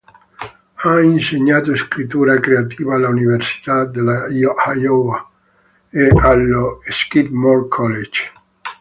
Ha insegnato scrittura creativa all'Università dello Iowa e allo Skidmore College.